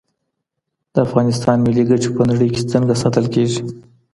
د افغانستان ملي ګټي په نړۍ کي څنګه ساتل کیږي؟